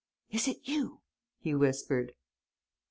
Is it you?" he whispered.